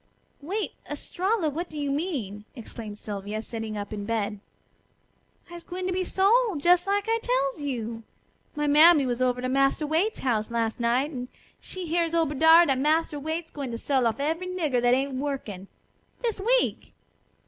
"Wait, Estralla! What do you mean?" exclaimed Sylvia, sitting up in bed. "I'se gwine to be sold! Jes' like I tells you. My mammy was over to Massa Waite's house las' night, and she hears ober dar dat Massa Robert's gwine to sell off every nigger what ain't workin' this week!"